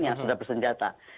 yang sudah bersenjata